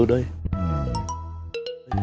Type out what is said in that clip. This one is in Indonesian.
tanyanya sama ceng